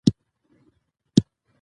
دا کار د ژباړې له لارې ممکن دی.